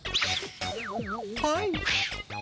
はい。